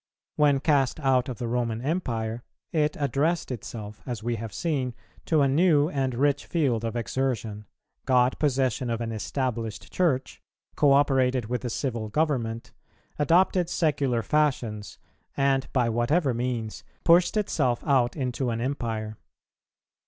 When cast out of the Roman Empire, it addressed itself, as we have seen, to a new and rich field of exertion, got possession of an Established Church, co operated with the civil government, adopted secular fashions, and, by whatever means, pushed itself out into an Empire.